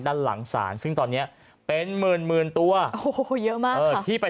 ด้านหลังศาลซึ่งตอนเนี้ยเป็นหมื่นหมื่นตัวโอ้โหเยอะมากเออที่ไป